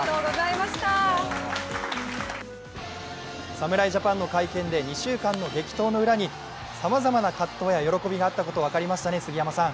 侍ジャパンの会見で２週間の激闘の裏にさまざまな葛藤や喜びがあったことが分かりましたね。